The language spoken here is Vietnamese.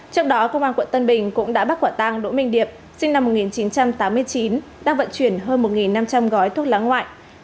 trước đó công an quận tân bình cũng đã bắt quả tang đỗ minh điệp sinh năm một nghìn chín trăm tám mươi chín đang vận chuyển hơn một năm trăm linh gói thuốc lá ngoại